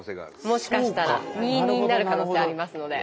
もしかしたら２−２になる可能性ありますので。